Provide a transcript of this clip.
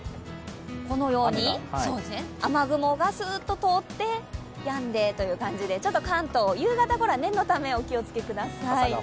このように、雨雲がすーっと通ってやんでという感じでちょっと関東、夕方ごろは念のため、お気をつけください。